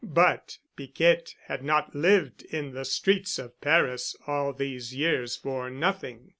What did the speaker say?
But Piquette had not lived in the streets of Paris all these years for nothing.